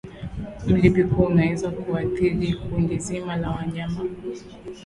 Mlipuko unaweza kuathiri kundi zima la wanyama